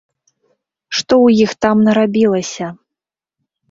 Што ў іх там нарабілася?